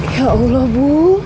ya allah bu